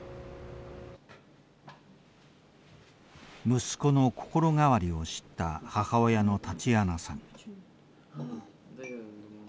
息子の心変わりを知った母親のタチアナさん。